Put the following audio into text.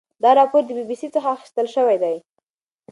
دا راپور د بي بي سي څخه اخیستل شوی دی.